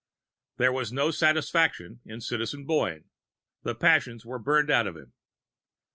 There was no satisfaction in Citizen Boyne; the passions were burned out of him.